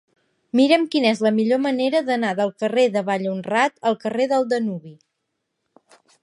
Mira'm quina és la millor manera d'anar del carrer de Vallhonrat al carrer del Danubi.